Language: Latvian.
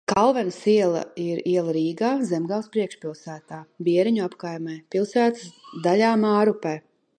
Kalvenes iela ir iela Rīgā, Zemgales priekšpilsētā, Bieriņu apkaimē, pilsētas daļā Mārupē.